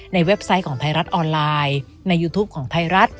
เว็บไซต์ของไทยรัฐออนไลน์ในยูทูปของไทยรัฐ